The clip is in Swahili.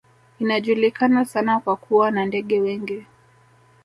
Inajulikana sana kwa kuwa na ndege wengi